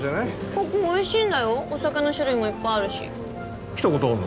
ここおいしいんだよお酒の種類もいっぱいあるし来たことあんの？